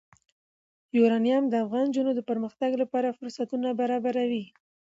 یورانیم د افغان نجونو د پرمختګ لپاره فرصتونه برابروي.